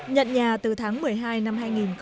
nhận nhà từ tháng một mươi hai năm hai nghìn một mươi